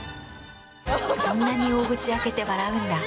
そんなに大口開けて笑うんだ。